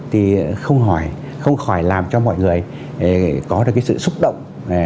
thì không khỏi làm cho mọi người có được sự xúc động